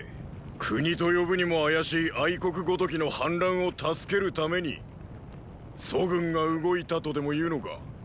国と呼ぶにもあやしい国ごときの反乱を助けるために楚軍が動いたとでも言うのか。